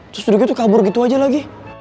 terus udah gitu kabur gitu aja lagi